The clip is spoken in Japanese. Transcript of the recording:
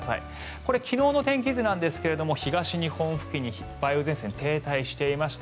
これ、昨日の天気図なんですが東日本付近に梅雨前線が停滞していました。